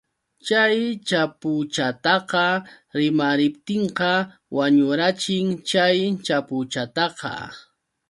Chay chapuchataqa rimariptinqa wañurachin chay chapuchataqa.